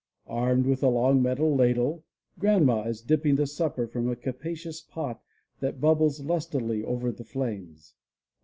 Armed with a long metal ladle. Grandma is dipping the supper from a capacious pot that bubbles lustily over the flames.